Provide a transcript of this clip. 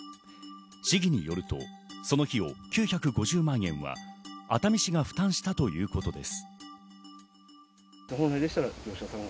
市議によると、その費用９５０万円は熱海市が負担したということです。